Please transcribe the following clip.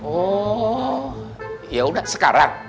oh yaudah sekarang